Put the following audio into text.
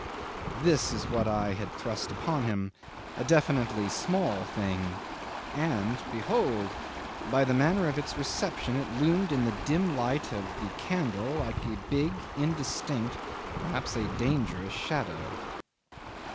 This is what I had thrust upon him: a definitely small thing; and behold! by the manner of its reception it loomed in the dim light of the candle like a big, indistinct, perhaps a dangerous shadow.